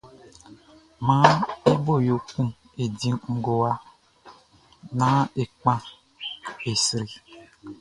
Maan e bo yo kun e di ngowa, nán e kpan, e sri.